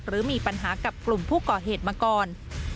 หรือมีปัญหากับกลุ่มผู้ก่อเหตุมาก่อน